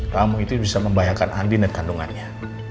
kamu itu bisa membahayakan andi net kandungannya